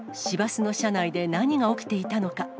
市バスの車内で何が起きていたのか。